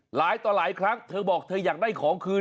หลายต่อหลายครั้งเธอบอกเธออยากได้ของคืน